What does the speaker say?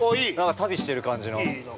◆旅してる感じの。